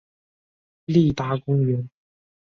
立达公园。